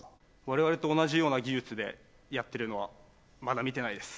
我々と同じような技術でやってるのはまだ見てないです